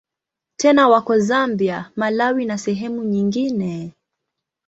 Tena wako Zambia, Malawi na sehemu nyingine.